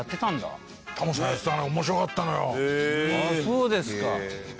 そうですか。